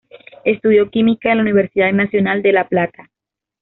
Estudió química en la Universidad Nacional de La Plata.